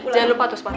jangan lupa tos tos ya